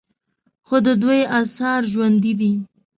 خو د دوی آثار ژوندي دي